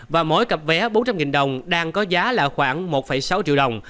và mỗi cặp vé bốn trăm linh đồng đang có giá là khoảng một sáu triệu đồng